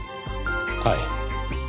はい。